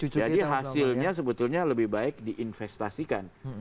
jadi hasilnya sebetulnya lebih baik diinvestasikan